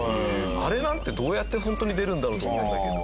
あれなんてどうやってホントに出るんだろうと思うんだけど。